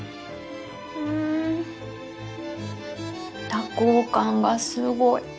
多幸感がすごい。